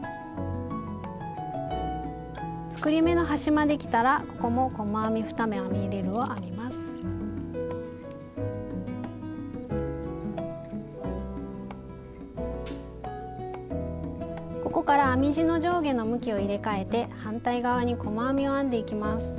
作り目の端まで来たらここもここから編み地の上下の向きを入れ替えて反対側に細編みを編んでいきます。